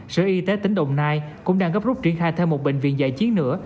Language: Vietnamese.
sở y tế tỉnh đồng nai cũng đang gấp rút triển khai thêm một bệnh viện giải chiến nữa